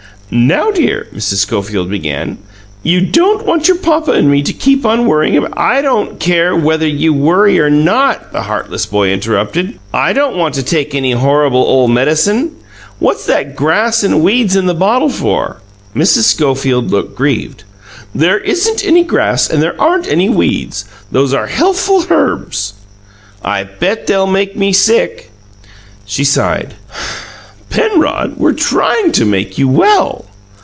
"Now, dear," Mrs. Schofield began, "you don't want your papa and me to keep on worrying about " "I don't care whether you worry or not," the heartless boy interrupted. "I don't want to take any horrable ole medicine. What's that grass and weeds in the bottle for?" Mrs. Schofield looked grieved. "There isn't any grass and there aren't any weeds; those are healthful herbs." "I bet they'll make me sick." She sighed. "Penrod, we're trying to make you well."